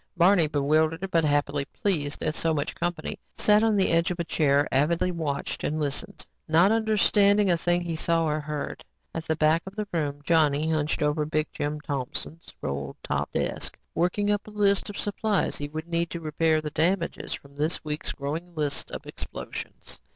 Barney bewildered but happily pleased at so much company, sat on the edge of a chair and avidly watched and listened, not understanding a thing he saw or heard. At the back of the room, Johnny hunched over Big Jim Thompson's roll top desk, working up a list of supplies he would need to repair the damages from the week's growing list of explosions.